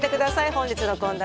本日の献立